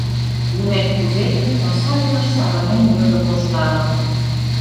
— Лӱмет кузе? — омса велыш савырнен йодо Коштанов.